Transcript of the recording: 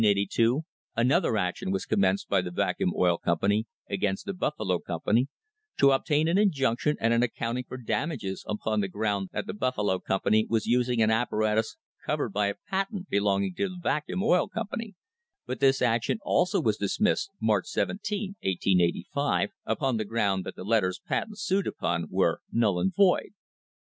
April 25, 1882, another action was commenced by the Vacuum Oil Company against the Buffalo company to obtain an injunction and an accounting for damages upon the ground that the Buffalo company was using an apparatus covered by a patent belonging to the Vacuum Oil Company, but this action also was dismissed March 17, 1885, upon the ground that the letters patent sued upon were "null and void."